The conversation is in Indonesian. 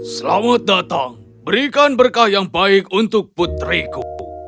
selamat datang berikan berkah yang baik untuk putriku